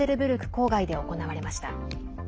郊外で行われました。